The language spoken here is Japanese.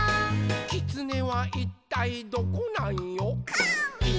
「きつねはいったいどこなんよ？」